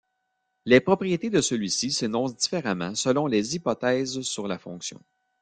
Les propriétés de celui-ci s'énoncent différemment selon les hypothèses sur la fonction.